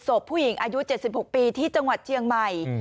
ศพผู้หญิงอายุ๗๖ปีที่จังหวัดเชียงใหม่